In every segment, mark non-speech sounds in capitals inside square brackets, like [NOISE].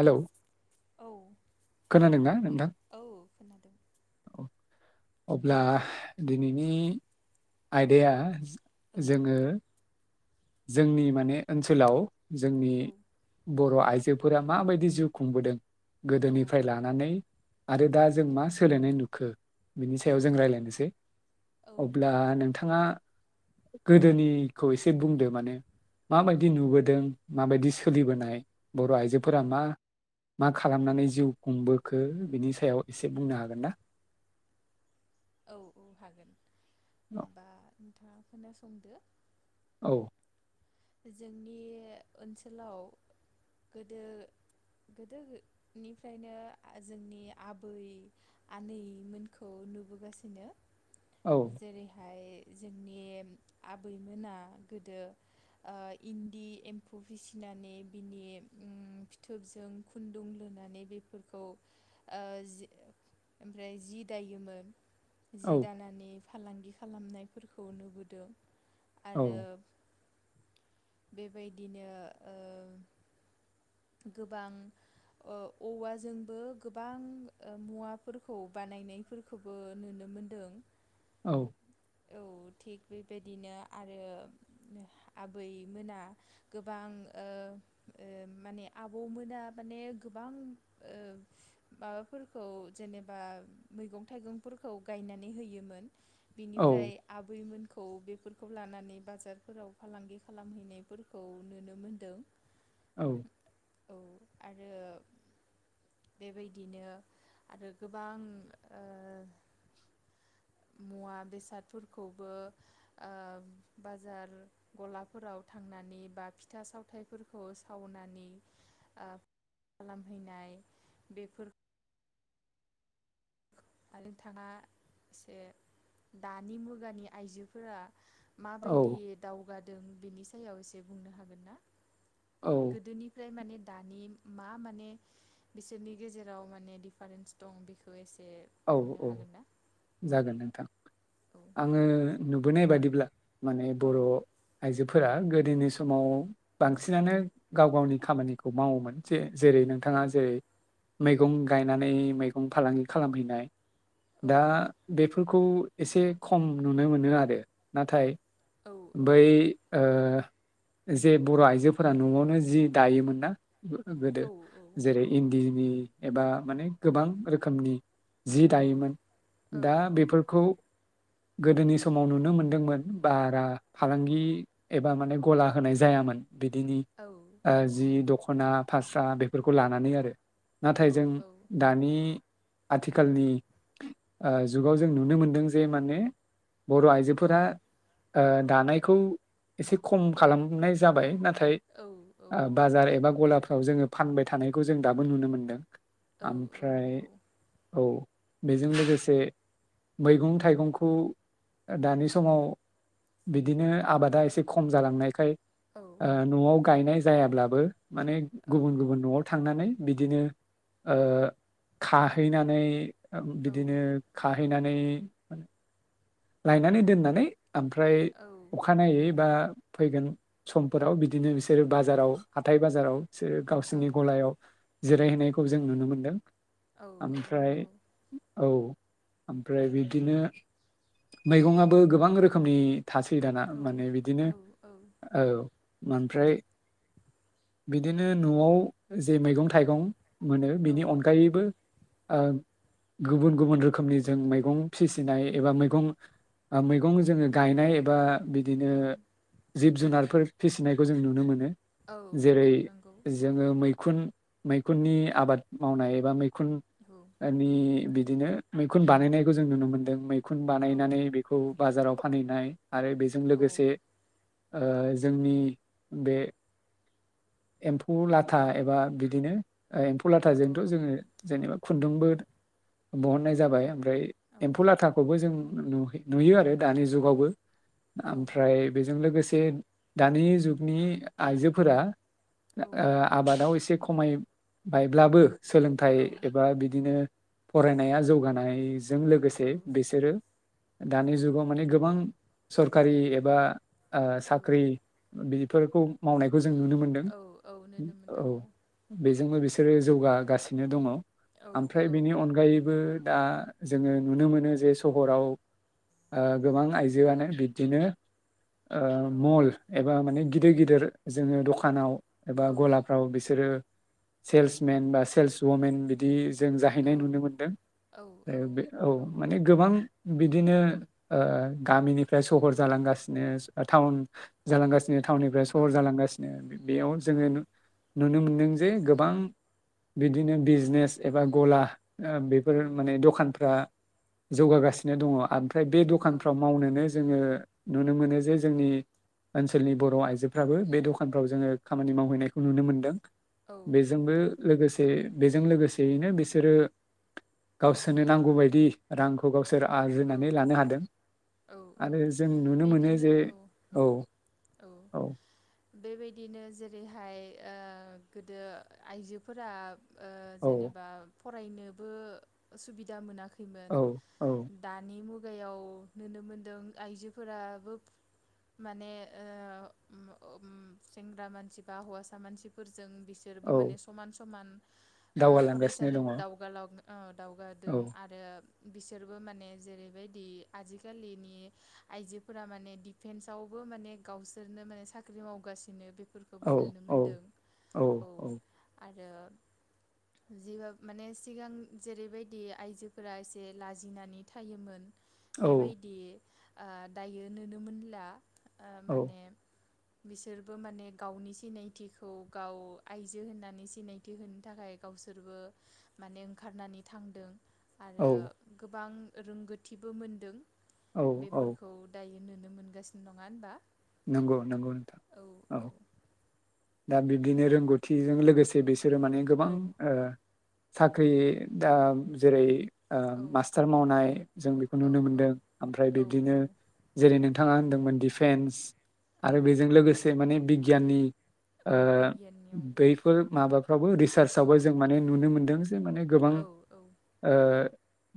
Hello औ हेल' खोनादोंना नोंथां? औ खोनादों। औ। अब्ला दिनैनि आयदाया औ जोङो जोंनि माने ओनसोलाव। जोंनि औ बर' आइजो फोर माबायदि जिउ खुंबोदों। औ गोदोनिफ्राय लानानै आरो दा जों मा सोलायनाय नुखो बिनि सायाव जों रायज्लायनोसै औ औ अब्ला नोंथाङा गोदोनिखौ एसे बुंदों। माने माबायदि नुबोदों माबायदि सोलिबोनाय बर' आइजोफोरा मा मा खालामनानै जिउ खुंबोखो बिनि सायाव एसे बुंनो हागोन ना? औ औ हागोन होमबा नोंथाङा खोनासंदो। औ जोंनि ओनसोलाव गोदो गोदोनिफ्रायनो जोंनि आबै आनैमोनखौ नुबोगासिनो। औ जेरैहाय जोंनि आबैमोना गोदो इन्दि एम्फौ फिसिनानै बिनि ओम फिथोबजों खुन्दुं लुानै बेफोरखौ ओमफ्राय जि दायोमोन। जि औ दानानै। फालांगि खालामनायफोरखौ नुबोदों। आरो। औ बेबायदिनो। गोबां औवाजोंबो गोबां मुवाफोरखौ बानायनायफोरखौबो नुनो मोनदों। औ। औ थिग बेबायदिनो आरो ओ आबैमोना गोबां ओ माने आबौमोना माने गोबां माबाफोरखौ जेनेबा मैगं थाइगंफोरखौ गायनानै होयोमोन। औ ओमफ्राय आबैमोन। खौ बेफोरखौ लानानै बाजारफोराव फालांगि खालामहैनायफोरखौ नुनो मोनदों औ। औ आरो बेबायदिनो आरो गोबां। मुवा बेसादफोरखौबो ओ बाजार गलाफोराव थांनानै बा फिथा सावथायफोरखौ सावनानै ओ खालामहैनाय बेफोर आरो नोंथाङा एसे दा दानि मुगानि आइजोफोरा औ माबायदि दावगादों बेनि सायाव एसे बुंनो हागोन ना। औ गोदोनिफ्राय माने दानि मा माने बिसोरनि गेजेराव माने दिडिफारेन्स दं बेखौ एसे औ बुंनो औ हागोन ना जागोन औ नोंथां आङो नुबोनाय बादिब्ला। माने औ बर' आइजो। फोरा गोदोनि समाव बांसिनानो गाव गावनि खामानिखौ मावोमोन जे। जेरै औ नोंथाङा जेरै मैगं गायनानै मैगं फालांगि खालाम खालामहैनाय औ दा बे। फोरफोरखौ एसे खम नुनो मोनो आरो नाथाय औ बै ओ जे बर' आइजोफोरा न'आवनो जि दायोमोन ना। गोदो औ जेरै इन्दिनि एबा माने गोबां रोखोमनि जि औ दायोमोन औ दा औ बेफोरखौ गोदोनि समाव नुनो मोनदोंमोन बारा फालांगि एबा माने गला होनाय जायामोन। बिदिनि औ औ जि नंगौ दख'ना फाषसा बे। बेफोरखौ लानानै आरो। औ नाथाय जों औ दानि। आथिखालनि जुगाव जों नुनो मोनदों जे माने बर' औ आइजोफोरा ओ दानायखौ एसे खम खालामनाय जाबाय ना थाय औ ओ बाजार एबा गलाफो राव जोङो फानबाय थानायखौ जों दाबो नुनो मोनदों। औ औ आमफ्राय नंगौ औ बेजों लोगोसे मैगं थाइगंखौ दानि समाव बिदिनो आबादा एसे खम जालांनायखाय औ ओ नवाव गायनाय जायाब्लाबो माने औ गुबुन गुबुन नवाव थांनानै बिदिनो ओ खाहैनानै औ बिदिनो खा हैनानै लायनानै दोननानै आमफ्राय औ अखानायनायै बा फैगोन समफोराव बिदिनो बिसोरो बाजाराव हाथाय बाजाराव सो गावसिनि गलायाव जिरायहैनायखौ जों नुनो मोनदों। आमफ्राय नंगौ औ। आमफ्राय बिदिनो मैगङाबो गोबां रोखोमनि थासै दाना औ माने बिदिनो औ औ। आमफ्राय बिदिनो नवाव जे मैगं थाइगं मोनो बेनि अनगायैबो ओ गुबुन गुबुन रोखोमनि जों मैगं फिसिनाय एबा मै गं ओ मैगं जोङो गायनाय एबा गु बिदिनो औ जिब जुनारफोर फिसिनायखौ जों नुनो मोनो। औ जेरै नंगौ औ औ जोङो मैखुन मैखुननि आबाद मावनाय एबा मै खुन औ ओ नि बि दिनो मैखुन बानायनायखौ जों नुनो मोनदों मै खुन औ बानायनानै बेखौ बाजाराव फानहैनाय। आरो बेजों लोगोसे ओ जोंनि बे एम्फौ लाथा एबा बिदिनो एम्फौ लाथाजोंथ' जोङो जेनेबा खुन्दुंबो बहननाय जाबाय। ओम फ्राय एम्फौ लाथा जों नुयो आरो दानि जुगावबो ओमफ्राय बेजों लोगोसे दानि जुगनि आइजोफोरा ओ आबादाव एसे खमायबायब्लाबो सोलोंथाइ एबा बिदिनो फरायनाया जौगानाय जों लोगोसे बिसोरो दानि जुगाव माने गोबां सरखारि एबा ओ साख्रि बि फोरखौ मावनाय खौ जों नुनो मोनदों नुनो औ मोनदों बेजोंबो बेसे रो जौगागासिनो दङ। औ ओमफ्राय औ बेनि अनगायैबो दा जोङो नुनो मोनो जे जे सहराव ओ गोबां आयजोआनो बिबदिनो ओ औ मल एबा माने गिदिर गिदिर जोङो द'खानाव एबा गलाफ्राव बिसोरो सेल्स मेन बा सेल्स वमेन बिदि जों औ जाहैनाय नुनो मोनदों बे औ। गोबां बिदिनो ओ गामिनिफ्राय सहर जालांगासिनो टाउन जालांगासिनो। टाउनिफ्राय सहर जालांगासिनो बेयाव औ जोङो नुनो मोनदों जे गोबां बिदिनो बिजनेस एबा गला औ बेफोर औ माने दखानफ्रा जौगागासिनो दङ आ ओमफ्राय बे औ दखानफ्राव मावनोनो जोङो नुनो मोनो जे जोंनि ओनसोलनि बर' आयजोफ्राबो बे दखानफ्राव जोङो खामानि मावहैनायखौ नुनो मोनदों। औ बेजोंबो नोंथां लोगोसे बेजों लोगोसेयैनो बिसोरो गावसोरनो नांगौबायदि। रांखौ गाव औ औ औ आरो जों नुनो मोनो बिदिनो जे औ औ औ बेबायदिनो जेरैहाय ओ गोदो आइजोफोरा ओ औ जेनेबा फरायनोबो सुबिदा मोनाखै औ औ। दानि मुगायाव नुनो मोनदों आइजोफोराबो माने ओ ओम सेंग्रा मानसि बा हौवासा मानसिफोर जों बिसोरबो औ माने समान समान ओ दावगालांगासिनो दङ फरायसालिफोर औ दावगालाव ओ दावगादों आरो बिसोर बो माने जेरैबायदि आजिखालिनि आइजोफोरा माने दि फेन्सावबो माने गावसोरनो माने साख्रि मावगासिनो बेफ फोरखौबो औ नुनो औ मोनदों औ आ ओ जि बाब माने सिगां जेरैबायदि आइजोफोरा एसे लाज लाजिनानै थायोमोन। बेबायदि ओ दायो नोनो मोनला। ओ औ माने बिसोरबो माने गावनि सिनायथिखौ गाव आयजो होननानै सिनायथि होनो थाखाय गावसोरबो माने ओंखारनानै थांदों। औ आरो गोबां रोंगोथिबो मोनदों। औ औ बेफोरखौ दायो। नुनो मोनगासिनो नङा होनबा। नंगौ नंगौ नोंथां औ। दा बिब्दिनो रोंगौथिजों लोगोसे बेसे बिसोरो माने गोबां औ ओ साख्रि दा जेरै ओ औ मास्टार मावनाय जों बेखौ नुनो औ मोनदों ओमफ्राय औ बिब्दिनो जेरै नों बिथाङा होन्दोंमोन डिफेन्स आरो बेजों औ लोगोसे माने बिगियाननि औ ओ बिगियाननियावबो बैफोर माबाफ्रावबो रिसार्चावबो औ जों माने नुनो मोनदों जे माने गोबां औ ओ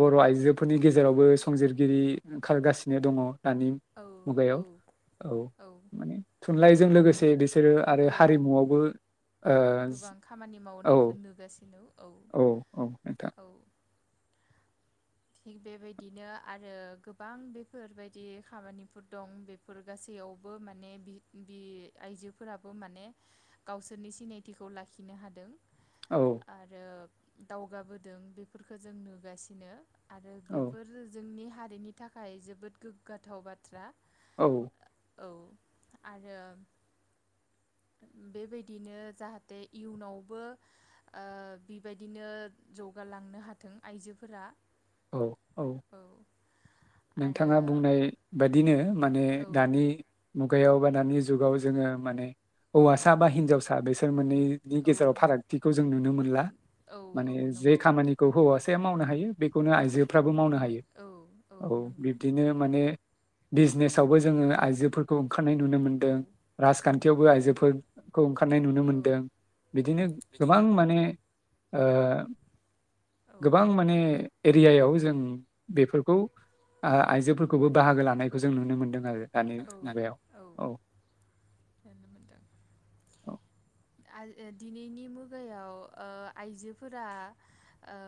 बर' आइजोफोरनि गेजेरावबो संजिरगिरि ओंखारगासिनो दङ। दानि औ औ मुगायाव। औ माने थुनलाइजों आरो लोगोसे बिसोरो आरो औ हारिमुआवबो गोबां खामानि ओ औ। मावनायखौ नुगासिनो औ औ नोंथां। औ थिग बेबायदिनो आरो गोबां बेफोरबायदि खामानिफोर दं बेफोर गासैयावबो माने बि-बि आइजोफोराबो माने गावसोरनि सिनायथिखौ लाखिनो हादों। औ आरो दावगाबोदों बेफोरखो जों नुगासिनो। आरो औ बेफोर जोंनि हारिनि थाखाय जोबोद गोग्गाथाव बाथ्रा। औ। औ आरो बेबायदिनो जाहाथे इयुनावबो ओ बिबायदिनो जौगालांनो हाथों आइजोफोरा। औ औ। नोंथाङा आरो बुंनाय बादिनो‌ माने औ दानि मुगायाव बा दानि जुगाव जोङो माने हौवासा बा हिनजावसा बिसोर मोननै नि गेजेराव औ फारागथिखौ जों नुनो मोनला। औ औ माने जे नंगौ खामानिखौ हौवासा [UNINTELLIGIBLE] मावनो हायो बेख खौनो आइजोफ्राबो मावनो हायो। औ औ बिब्दिनो माने बिजनेसावबो जोङो आइजोफोरखौ खारनाय नुनो औ मोनदों राजखान्थियावबो आइजो बो खौ ओंखारनाय नुनो औ मोन्दों, बिदिनो गोबां माने ओ औ गोबां माने एरियायाव जों बेफोरखौ ओ आइजोफोरखौबो बाहागो लानायखौ जों नुनो मोन्दों आरो दानि औ मुगायाव औ। नुनो मोनदों। औ आज ओ दिनैनि मुगायाव ओ आइजोफोरा ओ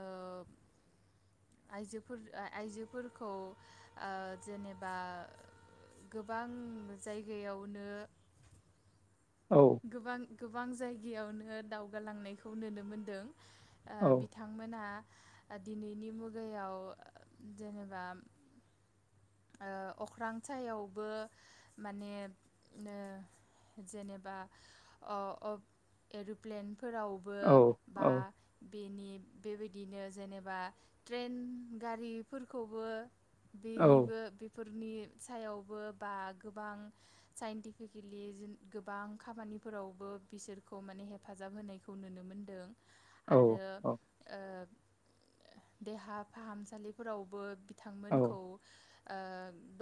आइजोफोर ओ आइजोफोरखौ ओ जेनेबा गोबां जायगायावनो औ गोबां गोबां जायगायावनो दावगालांनायखौ नोनो मोनदों। ओ औ बिथांमोना‌ दिनैनि मुगायाव जेनेबा ओ अख्रां सायावबो माने ओ जेनेबा अ अ एर'प्लेन फोरावबो औ बा औ बेनि बेबायदिनो जेनेबा ट्रेन गारिफोरखौबो औ बेनि फोरनि सायावबो बा गोबां साइन्टिफिकेलि गोबां खामानिफोरावबो बिसोरखौ माने हेफाजाब होनायखौ नुनो मोनदों। आरो ओ देहा फाहामसालिफोरावबो बिथांमोनखौ औ ओ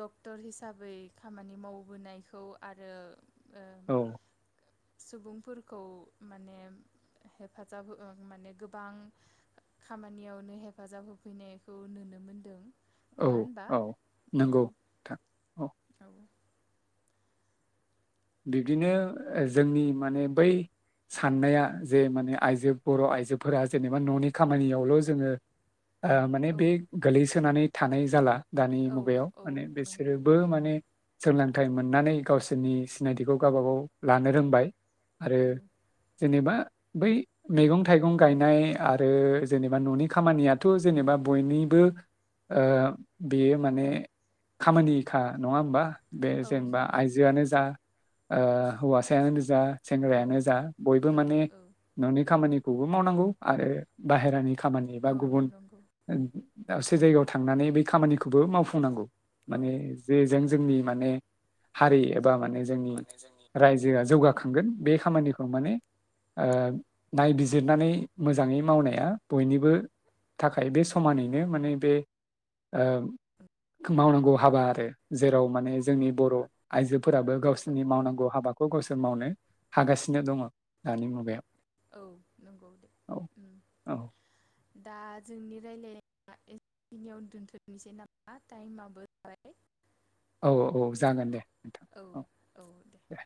डक्टर हिसाबै खामानि मावबोनायखौ आरो ओ औ। सुबुंफोरखौ माने हेफाजाब माने गोबां खामानियावनो हेफाजाब होफैनायखौ नुनो मोनदों। नङा होनबा? औ नोंगौ नोंथां औ। बिब्दिनो जोंनि माने बै साननाया जे माने आइजो बर' आइजोफोरा जेनेबा न'नि खामानियावल' जोङो ओ माने औ बे गोलैसोनानै थानाय जाला। दानि औ मुगायाव औ माने नंगौ बिसोरोबो माने सोंलों थाइ मोननानै गावसोरनि सिनायथिखौ गावबागाव लानो रोंबाय आरो औ जेनेबा बै मैगं थाइगं गायनाय आरो जेनेबा न'नि खामानियाथ' जेनेबा बयनिबो ओ बेयो माने खामानिखा नङा होमबा बे औ जेनेबा नंगौ आइजोआनो जा ओ हौवासायानो जा औ सेंग्रायानो जा बयबो औ माने औ न'नि खामानि खौबो मावनांगौ आरो बाहेरानि खामानि बा औ गुबुन नंगौ [UNINTELLIGIBLE] दसे जायगायाव थांनानै बे खामानिखौबो मावफुंनांगौ। औ माने जे जों जोंनि माने हारि एबा माने जोंनि माने जोंनि रायजोआ जौगा खांगोन बे खामानिखौ माने ओ नायबिजिरनानै मोजाङै मावनाया बयनिबो थाखाय बे समानैनो माने बे ओ मावनांगौ हाबा आरो जेराव माने जोंनि बर' आइजो फोराबो औ गावसो नि मावनांगौ हाबाखौ गावसोर मावनो हागासिनो दङ दानि मुगायाव। औ नंगौ दे औ ओम औ दा जोंनि रायलाय दा एखिनियाव दोनथ'नोसै नामा टाइमाबो जाबाय औ औ औ जागोन दे नोंथां औ दे।